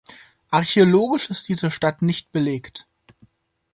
Archäologisch ist diese Stadt nicht belegt.